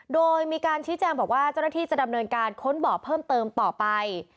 โดยมีการชี้แจงบอกว่าเจ้าหน้าที่จะดำเนินการค้นบ่อเพิ่มเติมต่อไป